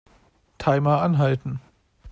Timer anhalten.